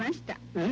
「うん？」。